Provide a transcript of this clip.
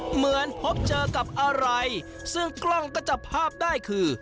เหมือนพบเจอกับอะไรซึ่งกล้องก็จับภาพได้คือ